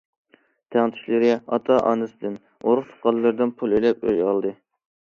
تەڭتۇشلىرى ئاتا- ئانىسىدىن، ئۇرۇق- تۇغقانلىرىدىن پۇل ئېلىپ ئۆي ئالدى.